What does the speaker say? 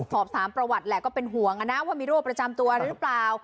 สอบถามประวัติแหละก็เป็นห่วงนะว่ามีโรคประจำตัวหรือเปล่า